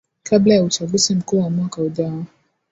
kabla ya uchaguzi mkuu wa mwaka ujao